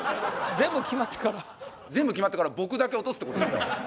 全部決まってから全部決まってから僕だけ落とすってことですか？